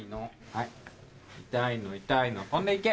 はい痛いの痛いの飛んでいけ！